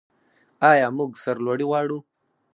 آیا موږ سرلوړي غواړو؟